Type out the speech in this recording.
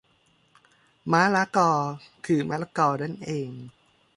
ม้าล้ากอ คือมะละกอนั่นเอง